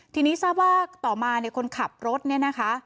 ทีนี้ทราบว่าต่อมาคนขับรถนี่นะคะ